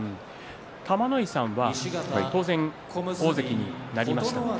玉ノ井さんは当然、大関になりました。